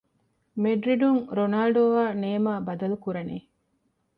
މެޑްރިޑުން ރޮނާލްޑޯ އާއި ނޭމާ ބަދަލުކުރަނީ؟